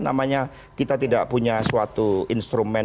namanya kita tidak punya suatu instrumen